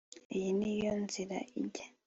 iyi niyo nzira ijya